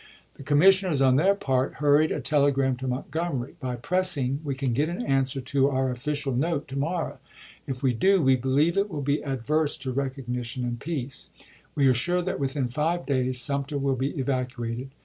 The commissioners, on their part, hurried a telegram to Montgomery :" By pressing we can get an answer to our official note to mor row. If we do, we believe it will be adverse to recognition and peace. We are sure that within five days Sumter will be evacuated.